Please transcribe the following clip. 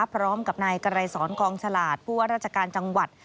พร้อมกับนายไกรสอนกองฉลาดผู้ว่าราชการจังหวัด